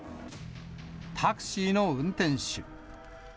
タクシーの運転手。